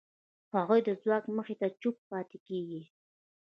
هغوی د ځواک مخې ته چوپ پاتې کېږي.